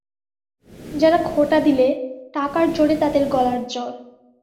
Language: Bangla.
যারা খোঁটা দিলে, টাকার জোরে তাদের গলার জোর।